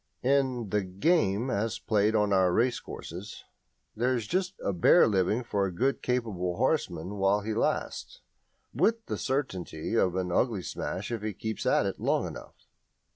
In "the game" as played on our racecourses there is just a bare living for a good capable horseman while he lasts, with the certainty of an ugly smash if he keeps at it long enough.